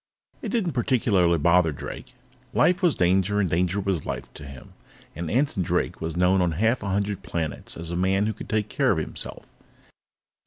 It didn't particularly bother Drake; life was danger and danger was life to him, and Anson Drake was known on half a hundred planets as a man who could take care of himself.